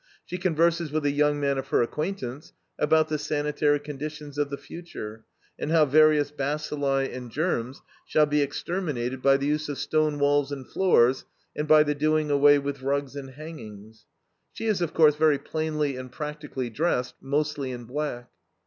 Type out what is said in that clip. She converses with a young man of her acquaintance about the sanitary conditions of the future, and how various bacilli and germs shall be exterminated by the use of stone walls and floors, and by the doing away with rugs and hangings. She is, of course, very plainly and practically dressed, mostly in black.